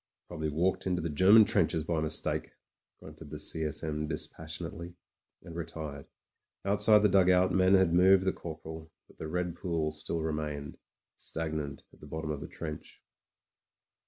"Probably walked into the German trenches by mis take/' gnmted the C. S. M. dispassionately, and re tired. Outside the dugout men had moved the cor poral; but the red pools still remained — stagnant at the bottom of the trench.